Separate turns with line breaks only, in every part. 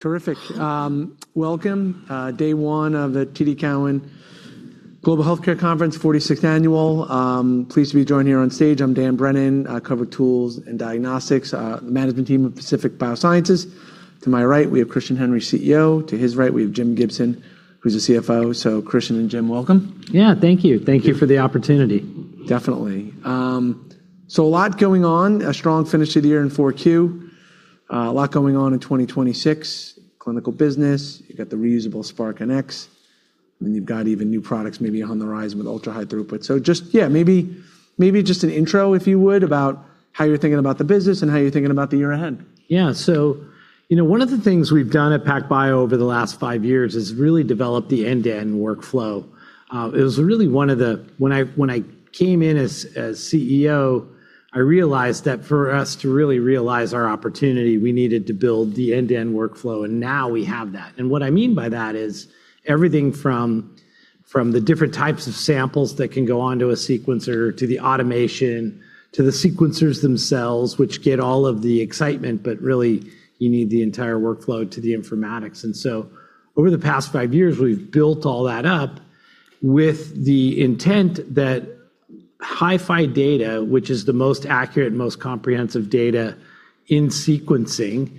Terrific. Welcome, day one of the TD Cowen Global Healthcare Conference, 46th annual. Pleased to be joined here on stage. I'm Dan Brennan. I cover tools and diagnostics, the management team of Pacific Biosciences. To my right, we have Christian Henry, CEO. To his right, we have Susan Kim, who's the CFO. Christian and Jim, welcome.
Yeah. Thank you. Thank you for the opportunity.
Definitely. A lot going on. A strong finish to the year in 4Q. A lot going on in 2026, clinical business. You've got the reusable SPARQ-Nx. You've got even new products maybe on the horizon with ultra-high throughput. Just, maybe just an intro, if you would, about how you're thinking about the business and how you're thinking about the year ahead.
Yeah. you know, one of the things we've done at PacBio over the last five years is really develop the end-to-end workflow. When I came in as CEO, I realized that for us to really realize our opportunity, we needed to build the end-to-end workflow, now we have that. What I mean by that is everything from the different types of samples that can go onto a sequencer, to the automation, to the sequencers themselves, which get all of the excitement, but really you need the entire workflow to the informatics. Over the past five years, we've built all that up with the intent that HiFi data, which is the most accurate, most comprehensive data in sequencing,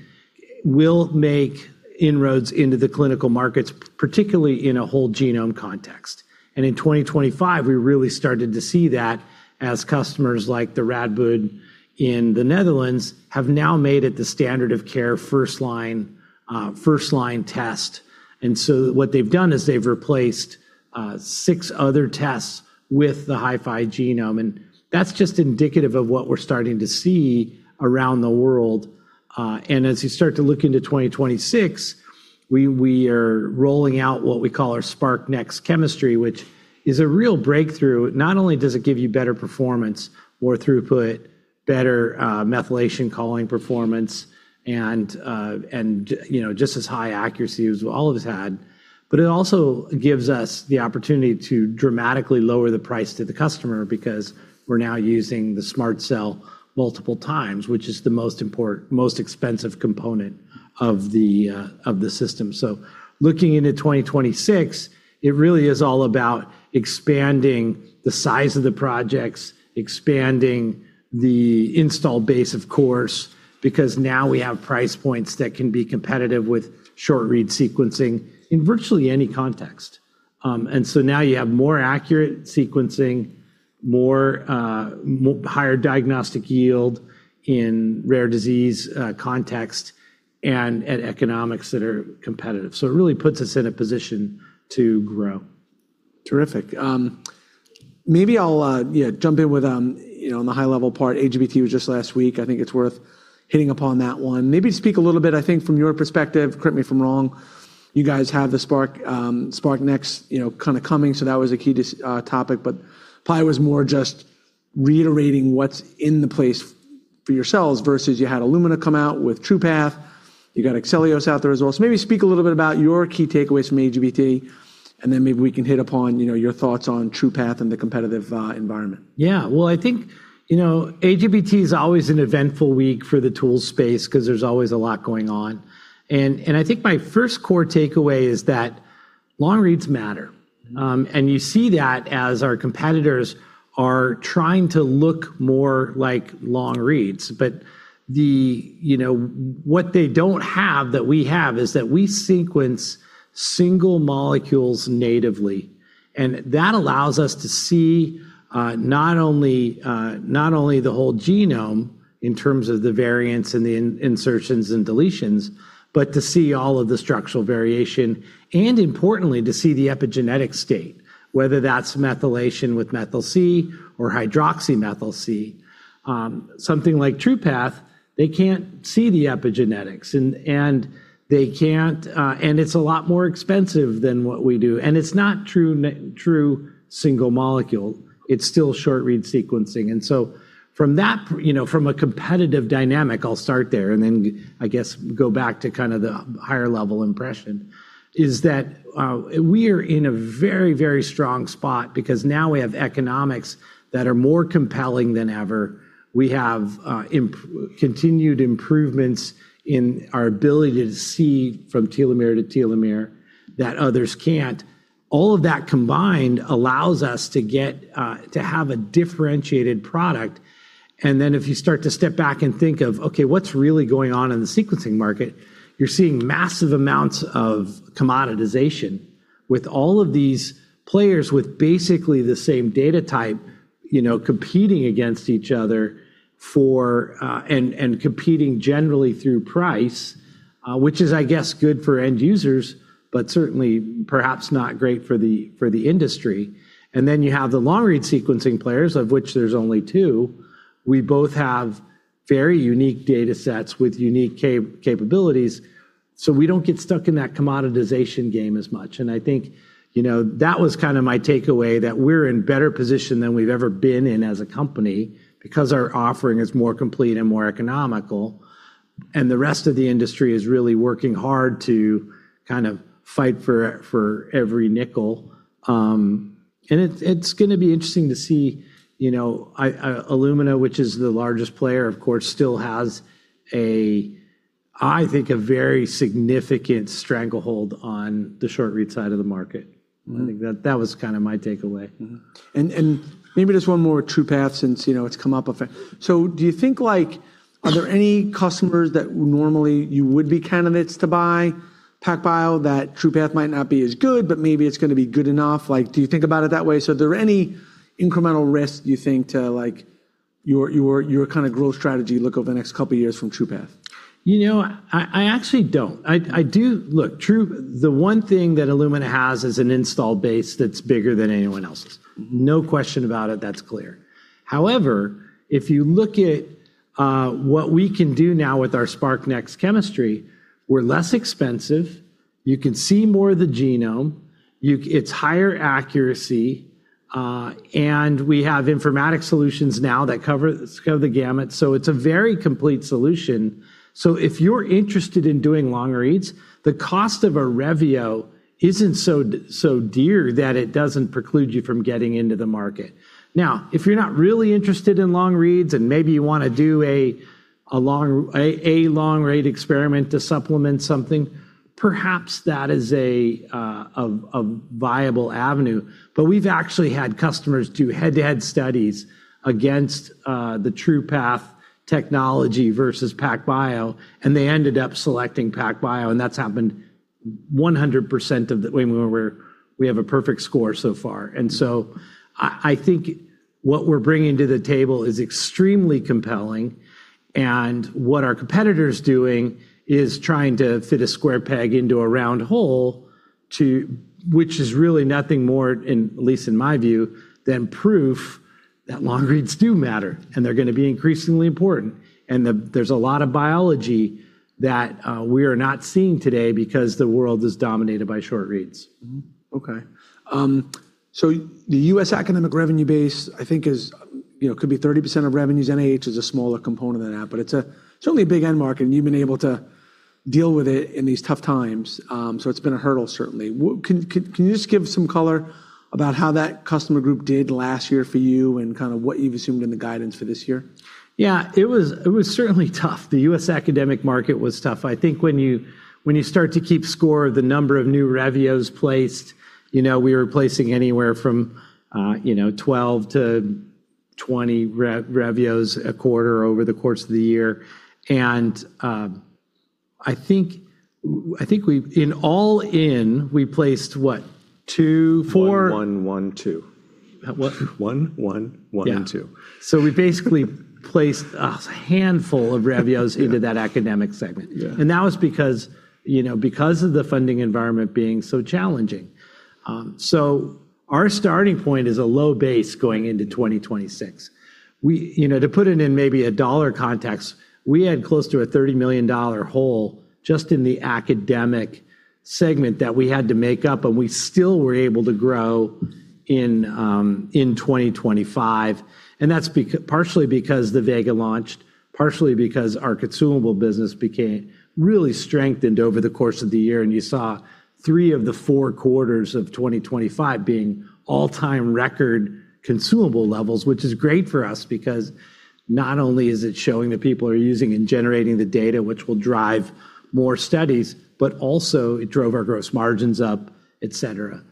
will make inroads into the clinical markets, particularly in a whole genome context. In 2025, we really started to see that as customers like the Radboud in the Netherlands have now made it the standard of care first line, first line test. What they've done is they've replaced, six other tests with the HiFi genome, and that's just indicative of what we're starting to see around the world. As you start to look into 2026, we are rolling out what we call our SPARQ-Nx chemistry, which is a real breakthrough. Not only does it give you better performance, more throughput, better, methylation calling performance, and you know, just as high accuracy as all of us had, it also gives us the opportunity to dramatically lower the price to the customer because we're now using the SMRT Cell multiple times, which is the most expensive component of the system. Looking into 2026, it really is all about expanding the size of the projects, expanding the install base, of course, because now we have price points that can be competitive with short read sequencing in virtually any context. Now you have more accurate sequencing, more higher diagnostic yield in rare disease context and economics that are competitive. It really puts us in a position to grow.
Terrific. Maybe I'll, yeah, jump in with, you know, on the high level part. AGBT was just last week. I think it's worth hitting upon that one. Maybe speak a little bit, I think, from your perspective, correct me if I'm wrong, you guys have the Spark, SPARQ-Nx, you know, kinda coming, that was a key topic, but probably was more just reiterating what's in the place for yourselves versus you had Illumina come out with TruPath. You got Arcellx out there as well. Maybe speak a little bit about your key takeaways from AGBT, and then maybe we can hit upon, you know, your thoughts on TruPath and the competitive environment.
Yeah. Well, I think, you know, AGBT is always an eventful week for the tools space 'cause there's always a lot going on. I think my first core takeaway is that long reads matter. And you see that as our competitors are trying to look more like long reads. What they don't have that we have is that we sequence single molecules natively, and that allows us to see not only the whole genome in terms of the variants and the insertions and deletions, but to see all of the structural variation and importantly, to see the epigenetic state, whether that's methylation with methyl C or hydroxymethyl C. Something like TruPath, they can't see the epigenetics and they can't. It's a lot more expensive than what we do. It's not true single molecule. It's still short read sequencing. From that, you know, from a competitive dynamic, I'll start there and then I guess go back to kind of the higher level impression, is that we are in a very, very strong spot because now we have economics that are more compelling than ever. We have continued improvements in our ability to see from telomere to telomere that others can't. All of that combined allows us to get to have a differentiated product. If you start to step back and think of, okay, what's really going on in the sequencing market? You're seeing massive amounts of commoditization with all of these players with basically the same data type, you know, competing against each other for competing generally through price, which is, I guess, good for end users, but certainly perhaps not great for the industry. Then you have the long-read sequencing players, of which there's only two. We both have very unique data sets with unique capabilities, so we don't get stuck in that commoditization game as much. I think, you know, that was kind of my takeaway, that we're in better position than we've ever been in as a company because our offering is more complete and more economical, and the rest of the industry is really working hard to kind of fight for every nickel. It's gonna be interesting to see, you know, Illumina, which is the largest player, of course, still has a, I think, a very significant stranglehold on the short read side of the market. I think that was kinda my takeaway.
Mm-hmm. And maybe just one more TruPath since, you know, it's come up a fair. Do you think like, are there any customers that normally you would be candidates to buy PacBio that TruPath might not be as good, but maybe it's gonna be good enough? Like, do you think about it that way? Are there any incremental risks, do you think, to like your kinda growth strategy look over the next couple years from TruPath?
You know, I actually don't. Look, the one thing that Illumina has is an install base that's bigger than anyone else's. No question about it, that's clear. However, if you look at what we can do now with our SPARQ-Nx chemistry, we're less expensive, you can see more of the genome, it's higher accuracy, and we have informatics solutions now that cover the gamut, so it's a very complete solution. If you're interested in doing long reads, the cost of a Revio isn't so dear that it doesn't preclude you from getting into the market. Now, if you're not really interested in long reads, and maybe you wanna do a long read experiment to supplement something, perhaps that is a viable avenue. We've actually had customers do head-to-head studies against the TruPath technology versus PacBio, and they ended up selecting PacBio, and that's happened 100% of the way, where we have a perfect score so far. I think what we're bringing to the table is extremely compelling, and what our competitor's doing is trying to fit a square peg into a round hole which is really nothing more, in at least in my view, than proof that long reads do matter, and they're gonna be increasingly important. There's a lot of biology that we are not seeing today because the world is dominated by short reads.
Okay. The U.S. academic revenue base, I think is, you know, could be 30% of revenues. NIH is a smaller component than that, but it's certainly a big end market, and you've been able to deal with it in these tough times. It's been a hurdle, certainly. Can you just give some color about how that customer group did last year for you and kind of what you've assumed in the guidance for this year?
Yeah. It was certainly tough. The U.S. academic market was tough. I think when you, when you start to keep score of the number of new Revios placed, you know, we were placing anywhere from, you know, 12 to 20 Revios a quarter over the course of the year. I think in all in, we placed what? two, four-
One, one, two.
What?
One, one, one, and two.
Yeah. We basically placed a handful of Revios into that academic segment.
Yeah.
That was because, you know, because of the funding environment being so challenging. Our starting point is a low base going into 2026. We, you know, to put it in maybe a dollar context, we had close to a $30 million hole just in the academic segment that we had to make up, and we still were able to grow in 2025. That's partially because the Vega launched, partially because our consumable business became really strengthened over the course of the year, and you saw three of the four quarters of 2025 being all-time record consumable levels, which is great for us because not only is it showing that people are using and generating the data which will drive more studies, but also it drove our gross margins up, et cetera.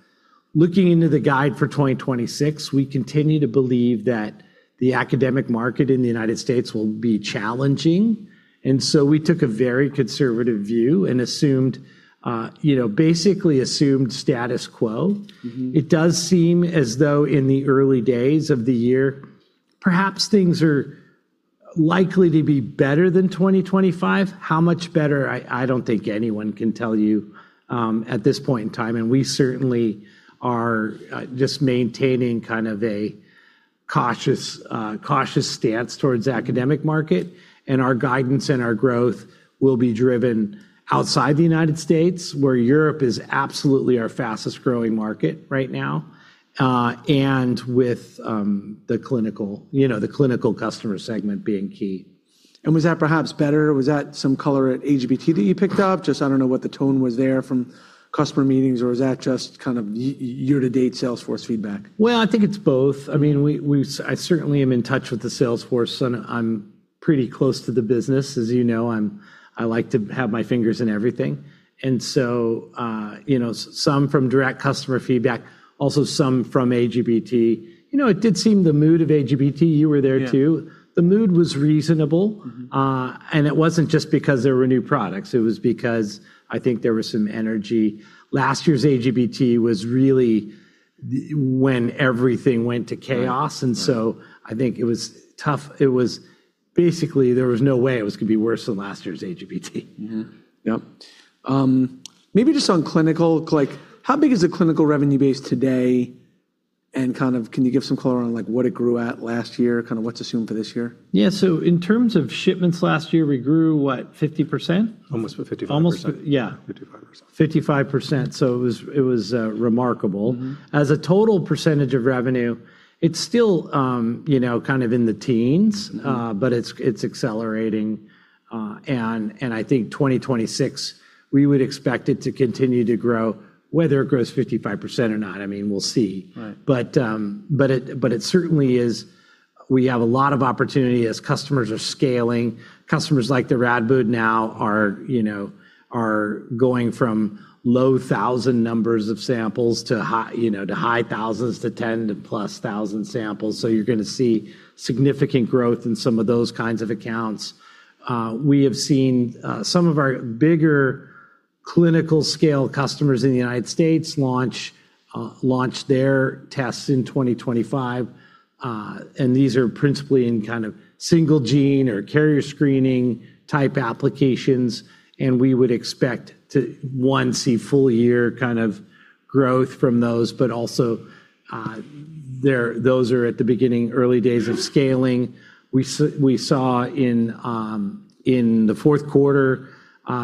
Looking into the guide for 2026, we continue to believe that the academic market in the United States will be challenging, and so we took a very conservative view and assumed, you know, basically assumed status quo. It does seem as though in the early days of the year, perhaps things are likely to be better than 2025. How much better? I don't think anyone can tell you, at this point in time, and we certainly are, just maintaining kind of a cautious stance towards academic market, and our guidance and our growth will be driven outside the United States, where Europe is absolutely our fastest-growing market right now, and with, the clinical, you know, the clinical customer segment being key.
Was that perhaps better? Was that some color at AGBT that you picked up? Just I don't know what the tone was there from customer meetings, or was that just kind of year to date sales force feedback?
Well, I think it's both. I mean, I certainly am in touch with the sales force, and I'm pretty close to the business. As you know, I like to have my fingers in everything. you know, some from direct customer feedback, also some from AGBT. You know, it did seem the mood of AGBT, you were there too.
Yeah.
The mood was reasonable. It wasn't just because there were new products. It was because I think there was some energy. Last year's AGBT was really when everything went to chaos.
Right. Right.
I think it was tough. It was basically, there was no way it was going to be worse than last year's AGBT.
Yeah. Yep. Maybe just on clinical, like how big is the clinical revenue base today? Kind of can you give some color on like what it grew at last year, kind of what's assumed for this year?
Yeah. In terms of shipments last year, we grew what? 50%?
Almost 55%.
Yeah.
55%.
55%, so it was remarkable. As a total percentage of revenue, it's still, you know, kind of in the teens. It's accelerating. I think 2026, we would expect it to continue to grow. Whether it grows 55% or not, I mean, we'll see.
Right.
it certainly is. We have a lot of opportunity as customers are scaling. Customers like the Radboud now are, you know, are going from low 1,000 numbers of samples to high, you know, to high thousands to 10+ thousand samples. You're gonna see significant growth in some of those kinds of accounts. We have seen some of our bigger clinical scale customers in the United States launch their tests in 2025, and these are principally in kind of single gene or carrier screening type applications, and we would expect to, one, see full year kind of growth from those, but also, those are at the beginning early days of scaling. We saw in the fourth quarter,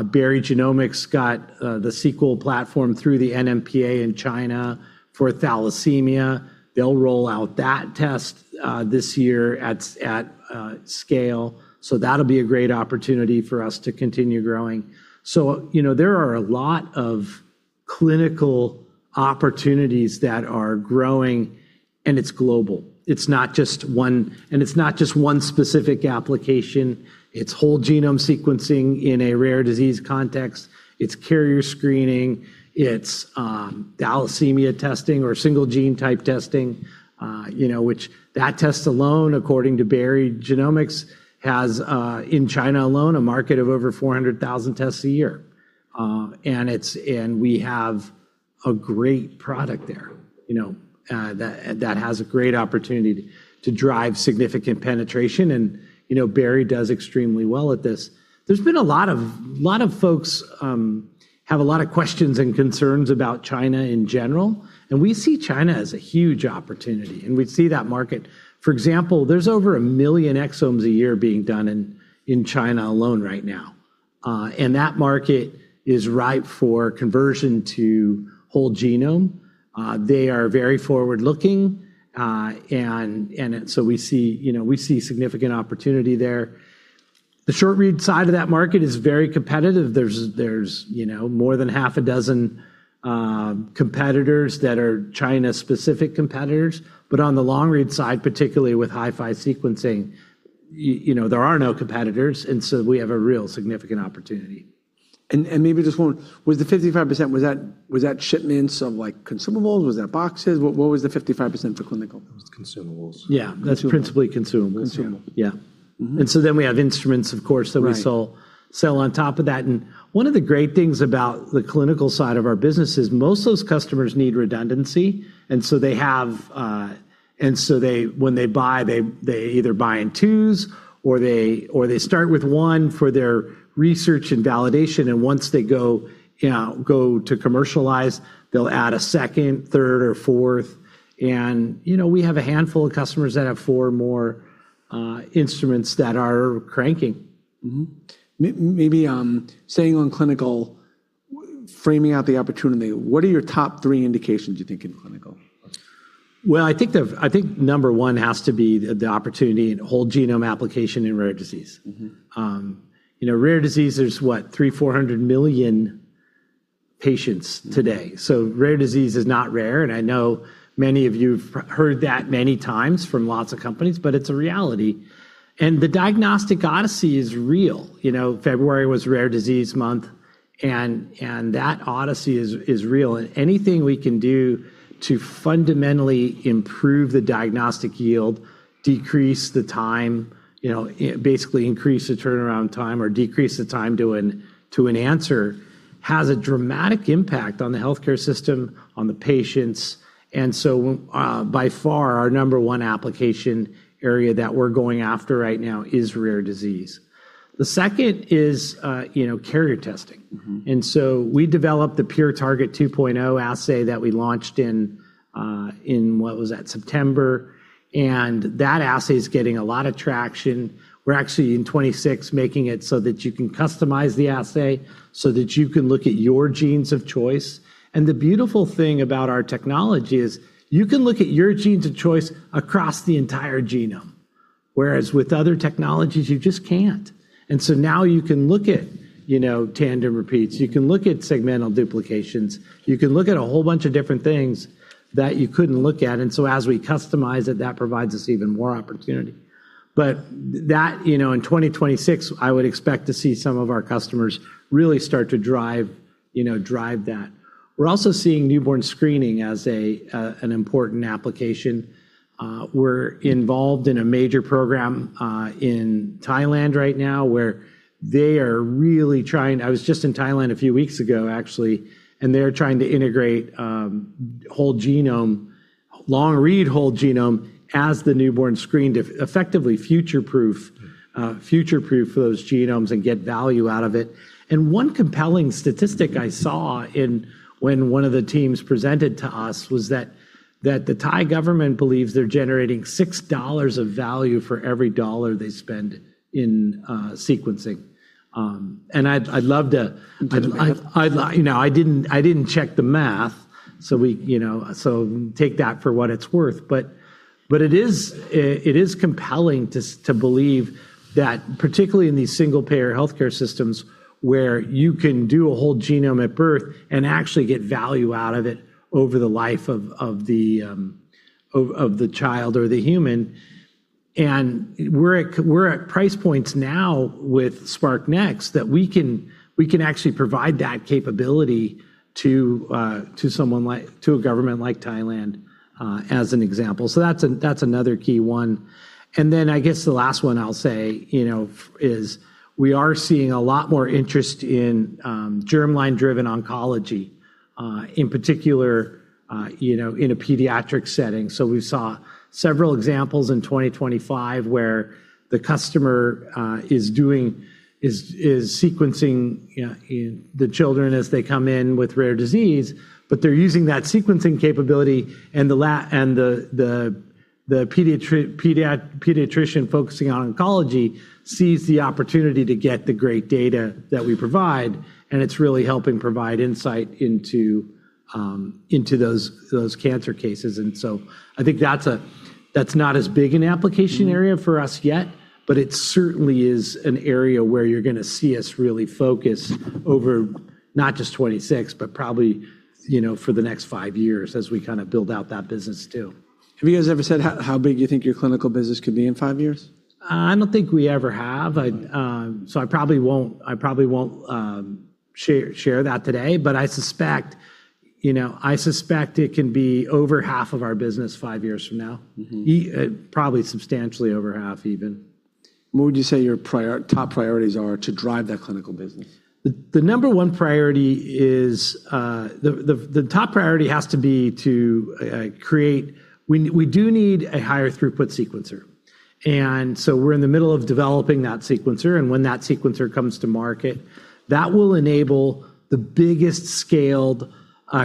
Berry Genomics got the Sequel platform through the NMPA in China for thalassemia. They'll roll out that test this year at scale, so that'll be a great opportunity for us to continue growing. You know, there are a lot of clinical opportunities that are growing and it's global. It's not just one specific application. It's whole genome sequencing in a rare disease context. It's carrier screening, it's thalassemia testing or single gene type testing, you know, which that test alone, according to Berry Genomics, has in China alone, a market of over 400,000 tests a year. We have a great product there, you know, that has a great opportunity to drive significant penetration. You know, Berry does extremely well at this. There's been a lot of folks have a lot of questions and concerns about China in general. We see China as a huge opportunity. We see that market. For example, there's over 1 million exomes a year being done in China alone right now. That market is ripe for conversion to whole genome. They are very forward-looking. So we see, you know, we see significant opportunity there. The short read side of that market is very competitive. There's, you know, more than 6 competitors that are China-specific competitors. On the long read side, particularly with HiFi sequencing, you know, there are no competitors. We have a real significant opportunity.
maybe just one, was the 55%, was that shipments of like consumables? Was that boxes? What was the 55% for clinical?
It was consumables.
Yeah.
That's principally consumables.
Consumables.
Yeah. We have instruments, of course...
Right...
that we sell on top of that. One of the great things about the clinical side of our business is most of those customers need redundancy. So they have, when they buy, they either buy in twos or they, or they start with one for their research and validation, and once they go, you know, go to commercialize, they'll add a second, third, or fourth. You know, we have a handful of customers that have four more instruments that are cranking.
Maybe, staying on clinical, framing out the opportunity, what are your top three indications you think in clinical?
Well, I think number one has to be the opportunity in whole genome application in rare disease. You know, Rare Disease, there's what? 300, 400 million patients today. Rare Disease is not rare, and I know many of you have heard that many times from lots of companies, but it's a reality. The diagnostic odyssey is real. You know, February was Rare Disease Month, and that odyssey is real. Anything we can do to fundamentally improve the diagnostic yield, decrease the time, you know, basically increase the turnaround time or decrease the time to an answer, has a dramatic impact on the healthcare system, on the patients. By far our number one application area that we're going after right now is Rare Disease. The second is, you know, carrier testing. We developed the Kinnex PureTarget 2.0 assay that we launched in, what was that? September. That assay is getting a lot of traction. We're actually in 26 making it so that you can customize the assay so that you can look at your genes of choice. The beautiful thing about our technology is you can look at your genes of choice across the entire genome, whereas with other technologies, you just can't. Now you can look at, you know, tandem repeats, you can look at segmental duplications, you can look at a whole bunch of different things that you couldn't look at. As we customize it, that provides us even more opportunity. That, you know, in 2026, I would expect to see some of our customers really start to drive, you know, drive that. We're also seeing newborn screening as an important application. We're involved in a major program in Thailand right now where they are really trying. I was just in Thailand a few weeks ago actually, and they're trying to integrate whole genome, long read whole genome as the newborn screen to effectively future-proof those genomes and get value out of it. One compelling statistic I saw when one of the teams presented to us was that the Thai government believes they're generating $6 of value for every $1 they spend in sequencing. I'd love to.
Do the math.
I, you know, I didn't check the math. We, you know, so take that for what it's worth. But it is compelling to believe that particularly in these single-payer healthcare systems where you can do a whole genome at birth and actually get value out of it over the life of the child or the human. We're at price points now with SPARQ-Nx that we can actually provide that capability to someone like to a government like Thailand as an example. That's a, that's another key one. I guess the last one I'll say, you know, is we are seeing a lot more interest in germline-driven oncology, in particular, you know, in a pediatric setting. We saw several examples in 2025 where the customer is sequencing, you know, the children as they come in with rare disease, but they're using that sequencing capability and the pediatrician focusing on oncology sees the opportunity to get the great data that we provide, and it's really helping provide insight into those cancer cases. I think that's not as big an application area for us yet, but it certainly is an area where you're gonna see us really focus over not just 2026, but probably, you know, for the next five years as we kind of build out that business too.
Have you guys ever said how big you think your clinical business could be in five years?
I don't think we ever have. I probably won't share that today. I suspect, you know, I suspect it can be over half of our business five years from now. probably substantially over half even.
What would you say your top priorities are to drive that clinical business?
The 1 priority is. The top priority has to be to. We do need a higher throughput sequencer. We're in the middle of developing that sequencer, and when that sequencer comes to market, that will enable the biggest scaled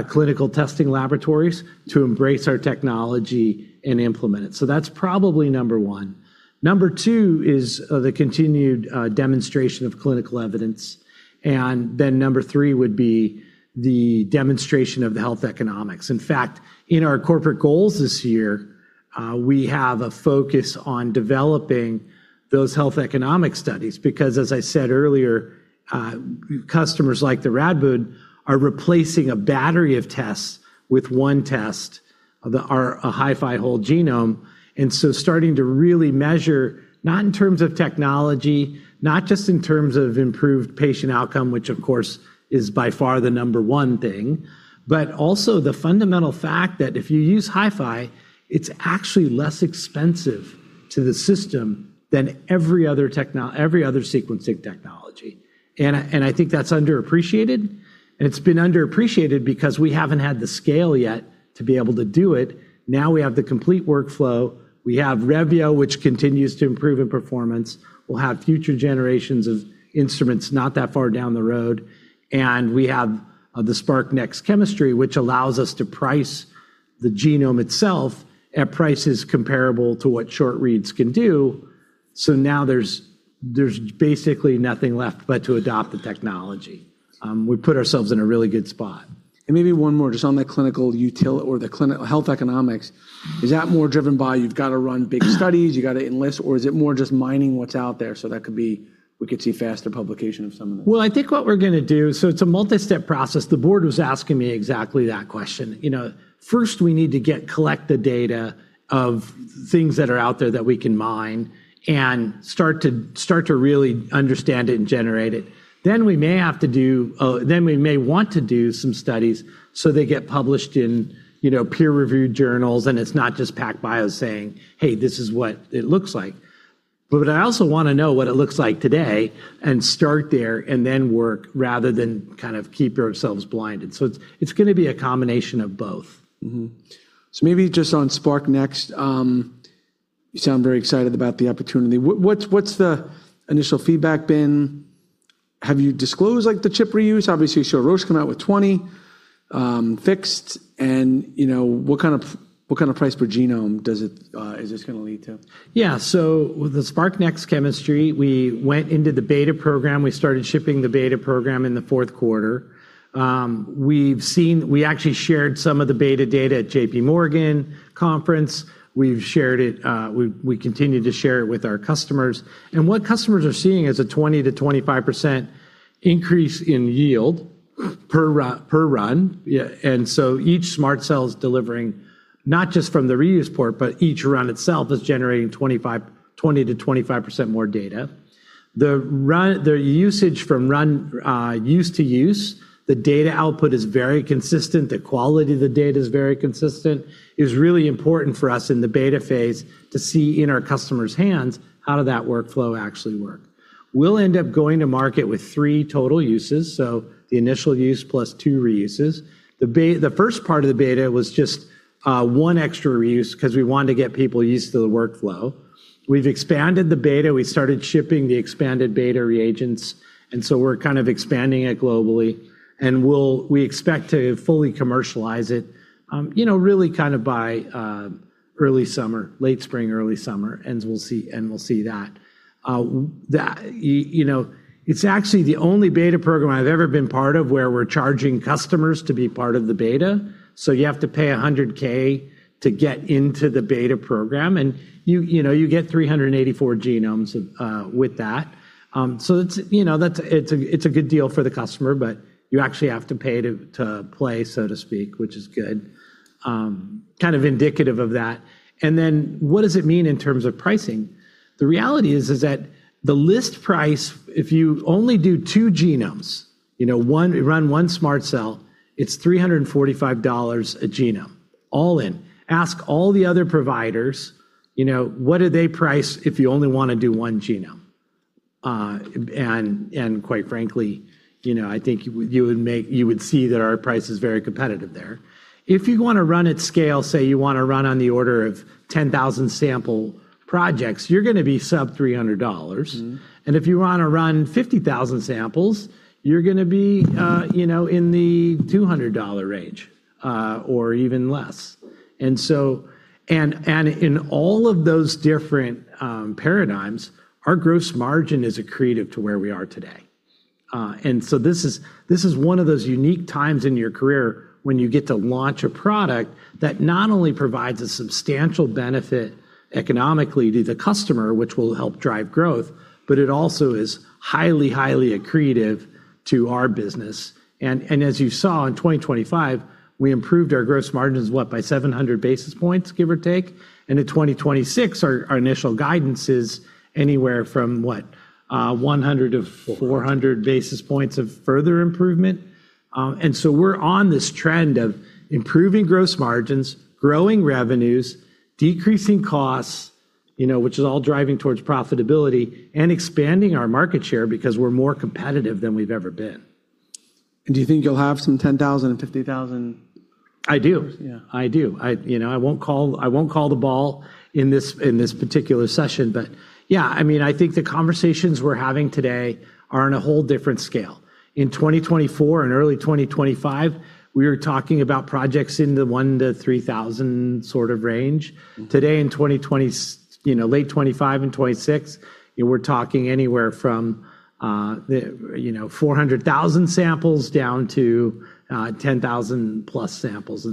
clinical testing laboratories to embrace our technology and implement it. That's probably numer one. Number two is the continued demonstration of clinical evidence. And number three would be the demonstration of the health economics. In fact, in our corporate goals this year, we have a focus on developing those health economic studies because, as I said earlier, customers like the Radboud are replacing a battery of tests with one test of a HiFi whole genome, and so starting to really measure not in terms of technology, not just in terms of improved patient outcome, which of course is by far the number one thing, but also the fundamental fact that if you use HiFi, it's actually less expensive to the system than every other sequencing technology. I think that's underappreciated. It's been underappreciated because we haven't had the scale yet to be able to do it. Now we have the complete workflow. We have Revio, which continues to improve in performance. We'll have future generations of instruments not that far down the road. We have the SparkNex chemistry, which allows us to price the genome itself at prices comparable to what short reads can do. Now there's basically nothing left but to adopt the technology. We've put ourselves in a really good spot.
Maybe one more just on the health economics. Is that more driven by you've got to run big studies, you got to enlist, or is it more just mining what's out there? That could be we could see faster publication of some of those.
Well, I think. It's a multi-step process. The board was asking me exactly that question. You know, first we need to collect the data of things that are out there that we can mine and start to really understand it and generate it. We may want to do some studies, so they get published in, you know, peer-reviewed journals, and it's not just PacBio saying, "Hey, this is what it looks like." What I also wanna know what it looks like today and start there and then work rather than kind of keep ourselves blinded. It's gonna be a combination of both.
maybe just on SparkNex, you sound very excited about the opportunity. What's the initial feedback been? Have you disclosed like the chip reuse? Obviously, you saw Roche come out with $20 fixed and, you know, what kind of price per genome is this gonna lead to?
With the SparkNex chemistry, we went into the beta program. We started shipping the beta program in the fourth quarter. We actually shared some of the beta data at JPMorgan conference. We've shared it, we continue to share it with our customers. What customers are seeing is a 20%-25% increase in yield per run. Each SMRT Cell is delivering not just from the reuse port, but each run itself is generating 20%-25% more data. The usage from run, use to use, the data output is very consistent. The quality of the data is very consistent. It was really important for us in the beta phase to see in our customers' hands how did that workflow actually work. We'll end up going to market with three total uses, so the initial use plus two reuses. The first part of the beta was just one extra reuse 'cause we wanted to get people used to the workflow. We've expanded the beta. We started shipping the expanded beta reagents, we're kind of expanding it globally, and we expect to fully commercialize it, you know, really kind of by early summer, late spring, early summer, and we'll see that. That, you know, it's actually the only beta program I've ever been part of where we're charging customers to be part of the beta. You have to pay $100K to get into the beta program, and you know, you get 384 genomes with that. It's, you know, it's a good deal for the customer, but you actually have to pay to play, so to speak, which is good. Kind of indicative of that. What does it mean in terms of pricing? The reality is that the list price, if you only do two genomes, you know, run 1 SMRT Cell, it's $345 a genome, all in. Ask all the other providers, you know, what do they price if you only wanna do one genome? Quite frankly, you know, I think you would see that our price is very competitive there. If you wanna run at scale, say you wanna run on the order of 10,000 sample projects, you're gonna be sub $300. If you wanna run 50,000 samples, you're gonna be, you know, in the $200 range, or even less. In all of those different paradigms, our gross margin is accretive to where we are today. This is one of those unique times in your career when you get to launch a product that not only provides a substantial benefit economically to the customer, which will help drive growth, but it also is highly accretive to our business. As you saw in 2025, we improved our gross margins, what? By 700 basis points, give or take. In 2026, our initial guidance is anywhere from what? 100 to-
$400.
400 basis points of further improvement. We're on this trend of improving gross margins, growing revenues, decreasing costs, you know, which is all driving towards profitability, and expanding our market share because we're more competitive than we've ever been.
Do you think you'll have some $10,000 and $50,000?
I do.
Yeah.
I do. You know, I won't call, I won't call the ball in this particular session. Yeah, I mean, I think the conversations we're having today are on a whole different scale. In 2024 and early 2025, we were talking about projects in the 1,000-3,000 sort of range. Today, you know, late 2025 and 2026, you know, we're talking anywhere from, you know, 400,000 samples down to 10,000+ samples.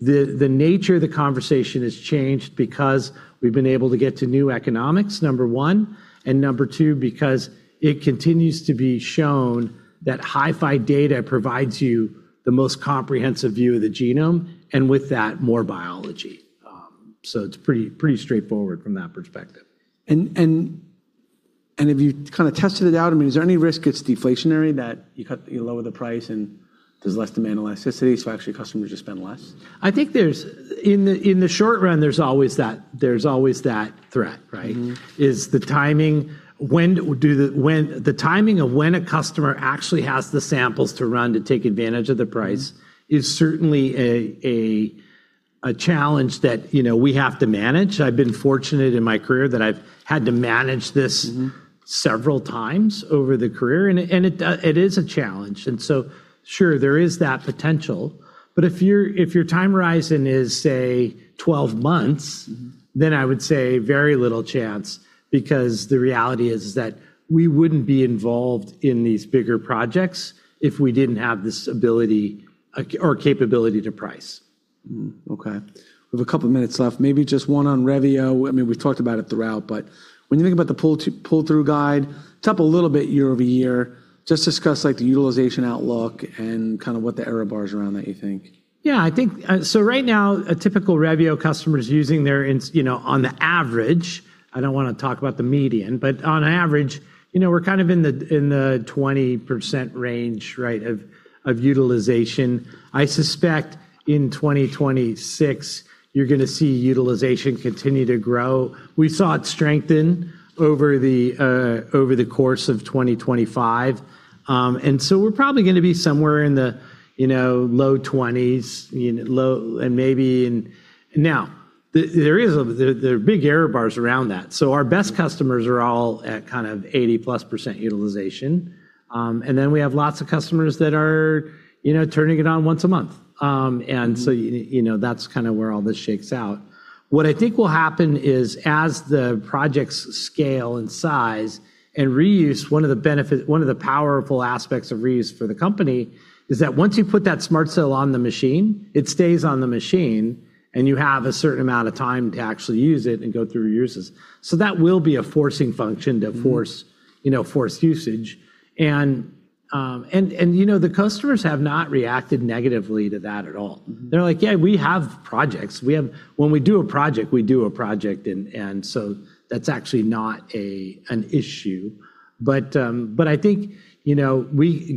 The nature of the conversation has changed because we've been able to get to new economics, number one, and number two, because it continues to be shown that HiFi data provides you the most comprehensive view of the genome, and with that, more biology. It's pretty straightforward from that perspective.
Have you kinda tested it out? I mean, is there any risk it's deflationary that you lower the price and there's less demand elasticity, so actually customers just spend less?
In the short run, there's always that threat, right? The timing of when a customer actually has the samples to run to take advantage of the price is certainly a challenge that, you know, we have to manage. I've been fortunate in my career that I've had to manage this. Several times over the career. And it is a challenge. Sure, there is that potential. If your time horizon is, say, 12 months. I would say very little chance because the reality is that we wouldn't be involved in these bigger projects if we didn't have this ability or capability to price.
Okay. We have a couple of minutes left. Maybe just one on Revio. I mean, we've talked about it throughout. When you think about the pull-through guide, it's up a little bit year-over-year. Just discuss like the utilization outlook and kind of what the error bars around that you think.
Yeah, I think so right now, a typical Revio customer is using their, you know, on the average, I don't wanna talk about the median, but on average, you know, we're kind of in the 20% range, right, of utilization. I suspect in 2026, you're gonna see utilization continue to grow. We saw it strengthen over the course of 2025. So we're probably gonna be somewhere in the, you know, low 20s, you know, low and maybe in... Now, there are big error bars around that. Our best customers are all at kind of 80-plus % utilization. Then we have lots of customers that are, you know, turning it on once a month. So, you know, that's kinda where all this shakes out. What I think will happen is as the projects scale in size and reuse, one of the powerful aspects of reuse for the company is that once you put that SMRT Cell on the machine, it stays on the machine, and you have a certain amount of time to actually use it and go through uses. That will be a forcing function to. You know, force usage. You know, the customers have not reacted negatively to that at all. They're like, "Yeah, we have projects. When we do a project, we do a project." That's actually not an issue. I think, you know,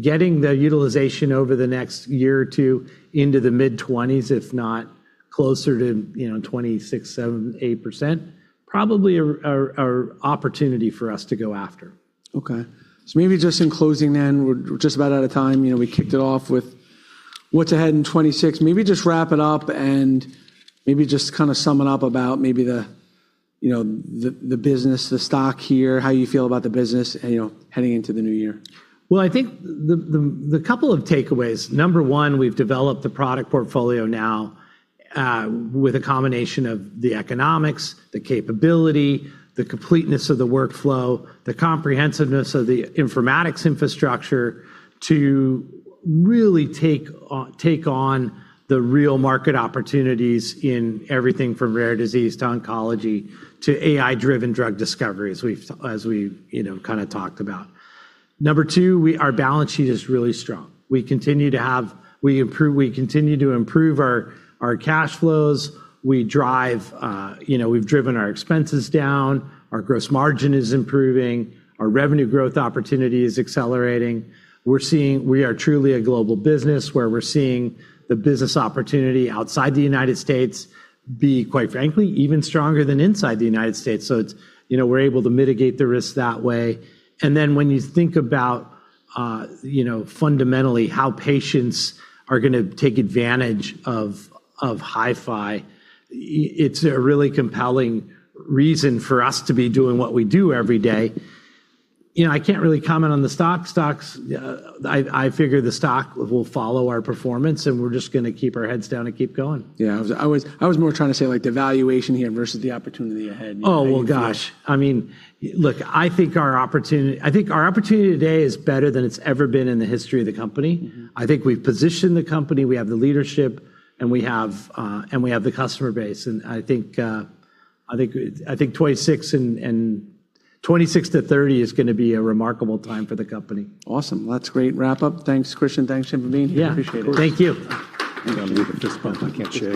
getting the utilization over the next year or two into the mid-twenties, if not closer to, you know, 26%, 27%, 28%, probably are opportunity for us to go after.
Maybe just in closing, we're just about out of time. You know, we kicked it off with what's ahead in 2026. Maybe just wrap it up and maybe just kind of sum it up about maybe the, you know, the business, the stock here, how you feel about the business and, you know, heading into the new year.
Well, I think the two takeaways. Number one, we've developed a product portfolio now, with a combination of the economics, the capability, the completeness of the workflow, the comprehensiveness of the informatics infrastructure to really take on the real market opportunities in everything from rare disease to oncology to AI-driven drug discovery, as we, you know, kinda talked about. Number two, our balance sheet is really strong. We continue to improve our cash flows. You know, we've driven our expenses down. Our gross margin is improving. Our revenue growth opportunity is accelerating. We are truly a global business where we're seeing the business opportunity outside the United States be, quite frankly, even stronger than inside the United States. You know, we're able to mitigate the risks that way. When you think about, you know, fundamentally how patients are gonna take advantage of HiFi, it's a really compelling reason for us to be doing what we do every day. You know, I can't really comment on the stock. Stock's, I figure the stock will follow our performance, and we're just gonna keep our heads down and keep going.
Yeah. I was more trying to say like the valuation here versus the opportunity ahead.
Oh, well, gosh. I mean, look, I think our opportunity today is better than it's ever been in the history of the company. I think we've positioned the company, we have the leadership, and we have the customer base. I think, 26 and 26 to 30 is gonna be a remarkable time for the company.
Awesome. Well, that's a great wrap-up. Thanks, Christian. Thanks for being here.
Yeah.
Appreciate it.
Thank you.
I'm gonna leave it at this point. I can't shake.